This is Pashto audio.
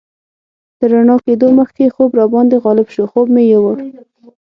تر رڼا کېدو مخکې خوب راباندې غالب شو، خوب مې یوړ.